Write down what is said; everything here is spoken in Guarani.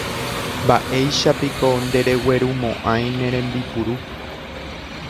Mba'éichapiko ndereguerumo'ãi ne rembipuru.